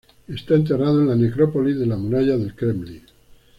Está enterrado Necrópolis de la Muralla del Kremlin.